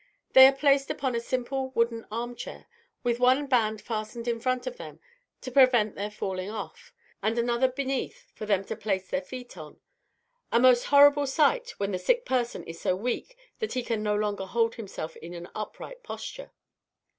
They are placed upon a simple wooden armchair, with one band fastened in front of them to prevent their falling off, and another beneath for them to place their feet on a most horrible sight when the sick person is so weak that he can no longer hold himself in an upright posture.